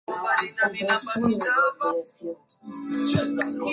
hivyo sasa anayeshughulikia sekta hizo